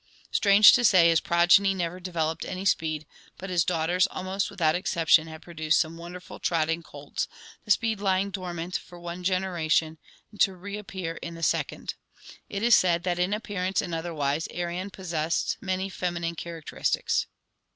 Strange to say, his progeny never developed any speed, but his daughters, almost without exception, have produced some wonderful trotting colts, the speed lying dormant for one generation, to reappear in the second. It is said that in appearance and otherwise Arion pos sessed many feminine characteristics.